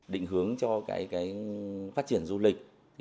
định hướng cho phát triển du lịch